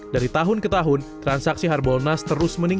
dari tahun ke tahun transaksi tersebut menjadi lebih besar